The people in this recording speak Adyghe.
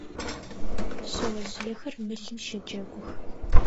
Шъэожъыехэр мылым щэджэгух.